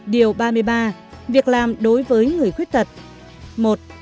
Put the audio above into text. điều ba mươi ba việc làm đối với người khuyết tật